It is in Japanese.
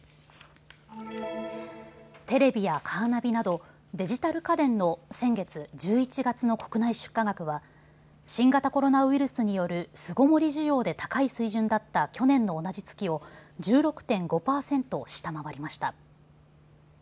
テレビやカーナビなどデジタル家電の先月１１月の国内出荷額は新型コロナウイルスによる巣ごもり需要で高い水準だった去年の同じ月を１６．５％下回りました。